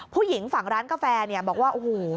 ผู้หญิงฝั่งร้านกาแฟเนี่ยบอกว่าโอ้โห